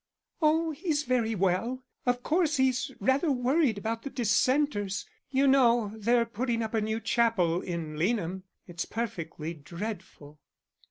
"Oh, he's very well. Of course he's rather worried about the dissenters. You know they're putting up a new chapel in Leanham; it's perfectly dreadful."